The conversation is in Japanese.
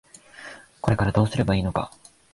これからどうすればいいのか。